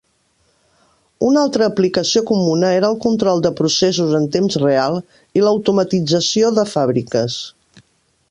Una altra aplicació comuna era el control de processos en temps real i l'automatització de fàbriques.